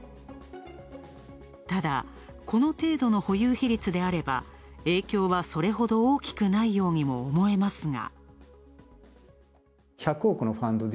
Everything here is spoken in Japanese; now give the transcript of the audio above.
ただこの程度の保有比率であれば影響はそれほど大きくないようにも思えますが。